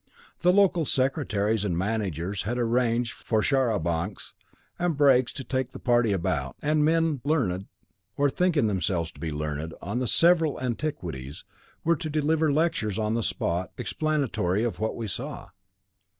The local secretaries and managers had arranged for char à bancs and brakes to take the party about, and men learned, or thinking themselves to be learned, on the several antiquities were to deliver lectures on the spot explanatory of what we saw.